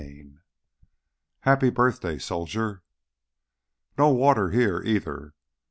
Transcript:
8 Happy Birthday, Soldier! "No water here either."